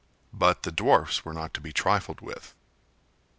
But the dwarfs were not to be trifled with.